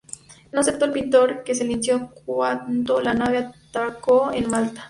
No aceptó el pintor, que se licenció en cuanto la nave atracó en Malta.